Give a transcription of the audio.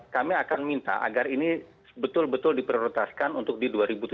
kami akan minta agar ini betul betul diprioritaskan untuk di dua ribu tujuh belas